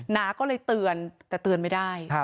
น้าก็เลยเตือนแต่เตือนไม่ได้